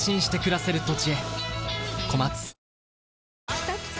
きたきた！